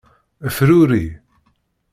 Fruri.